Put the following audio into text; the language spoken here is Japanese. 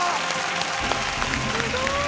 すごーい！